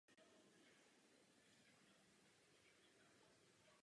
Tento ročník tak zejména z hlediska finančního úspěchu výrazně předčil ročník předchozí.